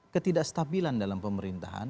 ketidakstabilan dalam pemerintahan